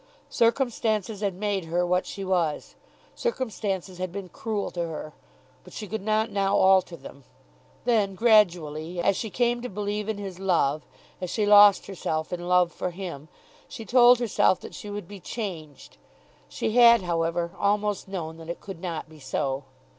Circumstances had made her what she was. Circumstances had been cruel to her. But she could not now alter them. Then gradually, as she came to believe in his love, as she lost herself in love for him, she told herself that she would be changed. She had, however, almost known that it could not be so.